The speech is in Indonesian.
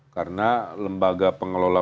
karena lembaga pengelola